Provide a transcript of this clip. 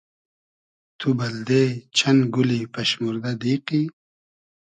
تو بئلدې چئن گولی پئشموردۂ دیقی؟